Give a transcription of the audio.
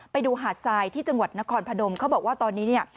ไปดูหาดทรายที่จังหวัดนครพนมเขาบอกว่าตอนนี้เนี่ย